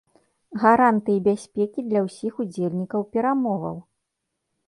Гарантыі бяспекі для ўсіх удзельнікаў перамоваў.